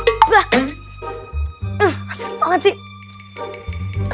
apaan ya zin banget